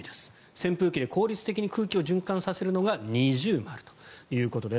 扇風機で効率的に空気を循環させるのが二重丸ということです。